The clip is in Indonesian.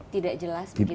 tidak jelas begitu